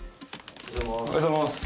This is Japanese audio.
おはようございます。